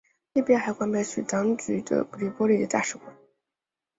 利比亚还关闭了叙当局驻的黎波里的大使馆。